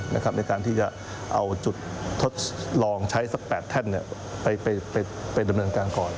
ในการที่จะเอาจุดทดลองใช้สัก๘แท่นไปดำเนินการก่อน